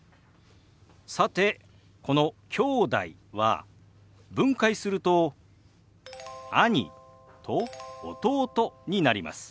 さてこの「きょうだい」は分解すると「兄」と「弟」になります。